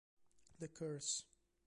The Curse